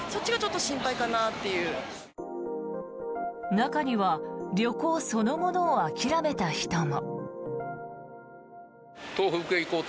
中には、旅行そのものを諦めた人も。